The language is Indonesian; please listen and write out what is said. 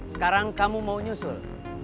sekarang kamu mau nyusul